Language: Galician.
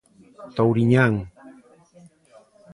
Touriñán.